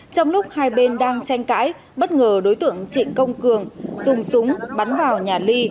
trong lúc hai bên đang tranh cãi bất ngờ đối tượng trịnh công cường dùng súng bắn vào nhà ly